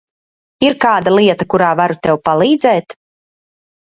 Ir kāda lieta, kurā varu tev palīdzēt?